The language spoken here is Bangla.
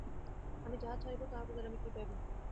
আমি যাহা ছাড়িব তাহার বদলে আমি কী পাইব।